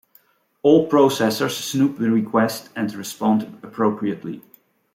All processors snoop the request and respond appropriately.